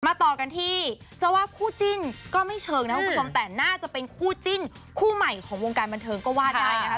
ต่อกันที่จะว่าคู่จิ้นก็ไม่เชิงนะคุณผู้ชมแต่น่าจะเป็นคู่จิ้นคู่ใหม่ของวงการบันเทิงก็ว่าได้นะคะ